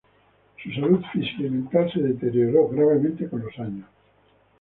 Su salud física y mental se deterioró gravemente con los años.